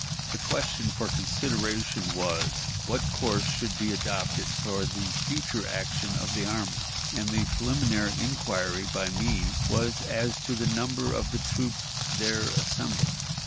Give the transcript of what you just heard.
The question for consideration was, What course should be adopted for the future action of the army? and the preliminary inquiry by me was as to the number of the troops there assembled.